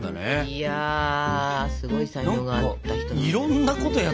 いやすごい才能があった人なのね。